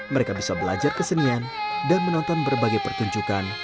mereka bisa belajar kesenian dan menonton berbagai pertunjukan